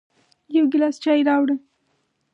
يو ګیلاس چای راوړه